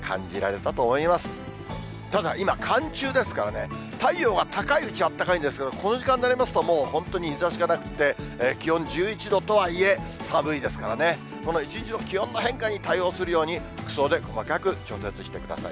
ただ、今、寒中ですからね、太陽が高いうち、あったかいんですけれども、この時間になりますともう本当に日ざしがなくって、気温１１度とはいえ、寒いですからね、この１日の気温の変化に対応するように、服装で細かく調節してください。